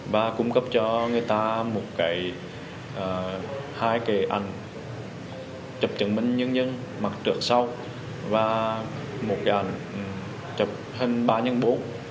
và cung cấp cho người ta hai cái ảnh chụp chứng minh nhân nhân mặt trợ sau và một cái ảnh chụp hình ba x bốn